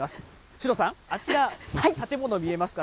首藤さん、あちら、建物見えますか？